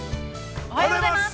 ◆おはようございます！